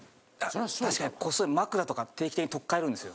確かにこっそり枕とか定期的にとっかえるんですよ。